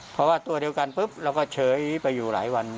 เพราะว่าตัวเดียวกันปุ๊บเราก็เฉยไปอยู่หลายวัน